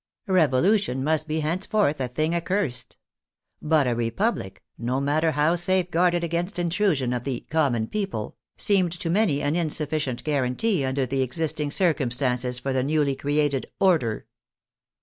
Revolution must be henceforth a thing accursed! But a Republic, no matter how safeguarded against intrusion of the " common people " seemed to many an insufficient guar antee under the existing circumstances for the newly created " order."